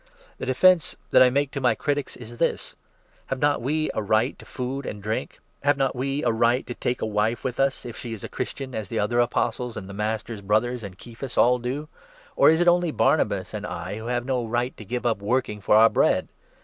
The defence that I make to my critics is this :— Have not we 3, a right to food and drink ? Have not we a right to take a wife 5 with us, if she is a Christian, as the other Apostles and the Master's brothers and Kephas all do ? Or is it only Barnabas 6 and I who have no right to give up working for our bread